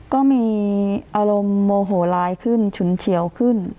ก็มีอารมณ์โมโหร้ายขึ้นฉุนเฉียวขึ้น